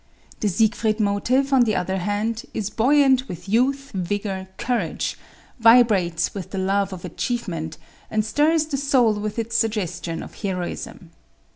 The Siegfried Motive, on the other hand, is buoyant with youth, vigor, courage; vibrates with the love of achievement; and stirs the soul with its suggestion of heroism.